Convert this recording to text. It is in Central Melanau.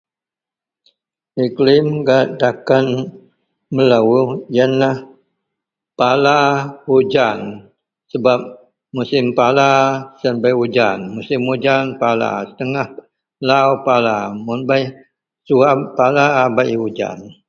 Iklim gak takan melo iyenlah pala ujan sebab musim pala siyen bei ujan musim ujan pala tengah lau ngak pala mun bah suwab pala abei ujan.